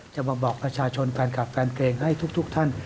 จะมาบอกประชาชนแฟนคลับแฟนเพลงให้ทุกท่าน